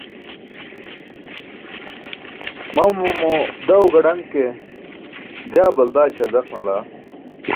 Mamamo daw gaḍaṅ ke, jaa balda śardaq nalaa.